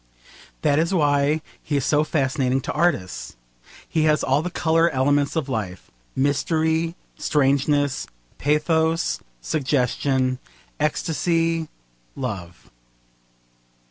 That is why he is so fascinating to artists. He has all the colour elements of life: mystery, strangeness, pathos, suggestion, ecstasy, love.